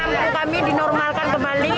lampu kami dinormalkan kembali